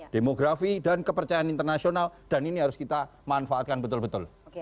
demografi dan kepercayaan internasional dan ini harus kita manfaatkan betul betul